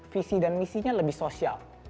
visi dan misinya lebih sosial